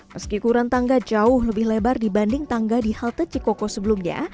meski kurang tangga jauh lebih lebar dibanding tangga di halte cikoko sebelumnya